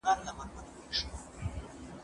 زه مخکي قلم استعمالوم کړی و!!